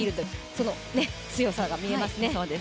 その強さが見えますね。